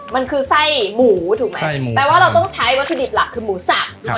มันคือไส้หมูถูกไหมแปลว่าเราต้องใช้วัตถุดิบหลักคือหมูสับ